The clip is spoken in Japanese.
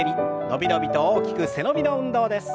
伸び伸びと大きく背伸びの運動です。